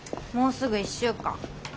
もうすぐ１週間。